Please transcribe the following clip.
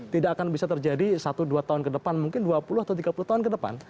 tidak akan bisa terjadi satu dua tahun ke depan mungkin dua puluh atau tiga puluh tahun ke depan